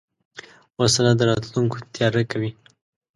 وسله د راتلونکي تیاره کوي